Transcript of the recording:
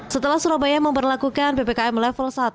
setelah surabaya memperlakukan ppkm level satu